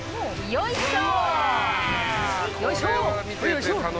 よいしょ！